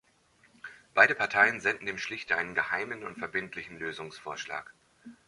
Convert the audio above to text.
Beide Parteien senden dem Schlichter einen geheimen und verbindlichen Lösungsvorschlag.